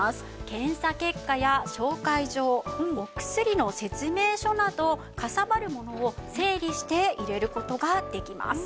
検査結果や紹介状お薬の説明書などかさばるものを整理して入れる事ができます。